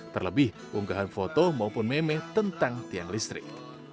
terlebih unggahan foto maupun meme tentang tiang listrik